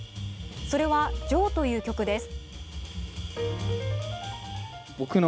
それは「ＪＯＥＨ」という曲です。